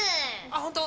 ホント？